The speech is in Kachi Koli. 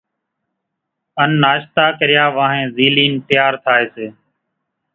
ان ناشتا ڪريا وانھين زيلين تيار ٿائي سي۔